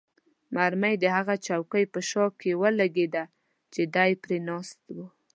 مرمۍ د هغه چوکۍ په شا کې ولګېده چې دی پرې ناست وو.